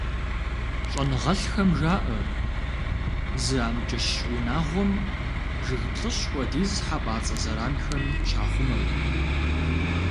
ЩӀэныгъэлӀхэм жаӀэ, зы амкӀыщ унагъуэм жыг плӏыщӏ хуэдиз хьэпӀацӀэ зэранхэм щахъумэу.